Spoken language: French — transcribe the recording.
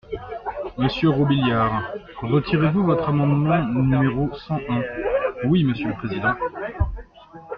Monsieur Robiliard, retirez-vous votre amendement numéro cent un ? Oui, monsieur le président.